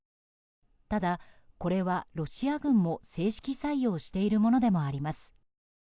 ただ、これはロシア軍も正式採用しているものでもあります。